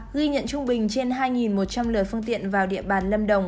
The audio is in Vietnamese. ghi nhận trung bình trên hai một trăm linh lượt phương tiện vào địa bàn lâm đồng